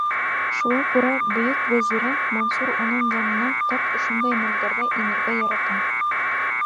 Шуға күрә бөйөк вәзире Мансур уның янына тап ошондай мәлдәрҙә инергә ярата.